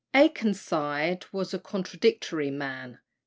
Akenside was a contradictory man.